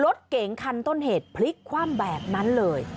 รถเก๋งคันต้นเหตุพลิกคว่ำแบบนั้นเลย